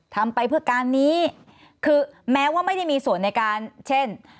ทำไปเพื่อการนี้คือแม้ว่าไม่ได้มีส่วนในการเช่น